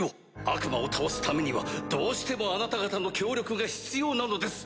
悪魔を倒すためにはどうしてもあなた方の協力が必要なのです！